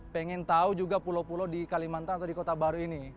pengen tahu juga pulau pulau di kalimantan atau di kota baru ini